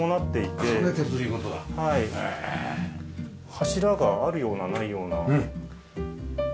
柱があるようなないような。